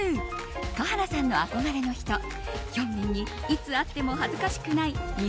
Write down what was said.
華原さんの憧れの人ヒョンビンにいつ会っても恥ずかしくない２０２２